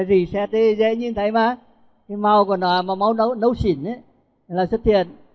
reset thì dễ nhìn thấy mà cái màu của nó màu nấu xỉn là xuất hiện